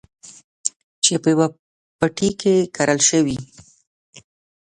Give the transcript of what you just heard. چې په يوه پټي کې کرل شوي.